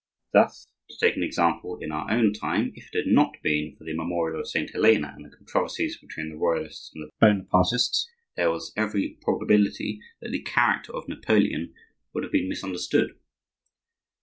Thus, to take an example in our own time, if it had not been for the "Memorial of Saint Helena," and the controversies between the Royalists and the Bonapartists, there was every probability that the character of Napoleon would have been misunderstood.